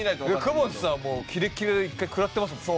久保田さんもキレキレ一回くらってますもんね。